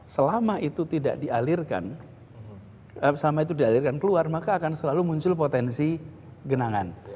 selama itu tidak dialirkan selama itu dialirkan keluar maka akan selalu muncul potensi genangan